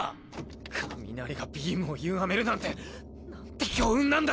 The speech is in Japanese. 雷がビームをゆがめるなんてなんて強運なんだ。